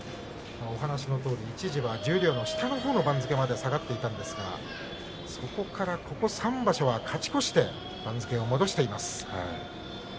お話のように一時は十両の下のほうの番付まで下がっていたんですがここ３場所は勝ち越して番付を戻しています。